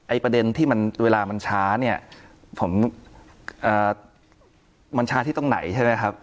ประเด็นที่มันเวลามันช้าเนี่ยผมมันช้าที่ตรงไหนใช่ไหมครับ